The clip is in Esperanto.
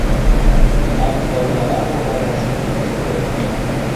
Ankaŭ la navo havas fenestrojn.